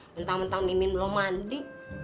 mentah mentah mimin belum mandi